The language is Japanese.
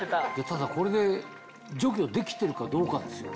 ただこれで除去できてるかどうかですよね。